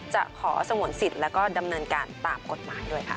จะขอสงวนสิทธิ์แล้วก็ดำเนินการตามกฎหมายด้วยค่ะ